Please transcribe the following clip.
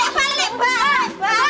ayo berhenti aja